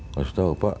harus tahu pak